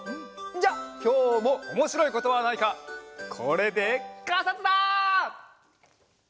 じゃあきょうもおもしろいことはないかこれでかんさつだ！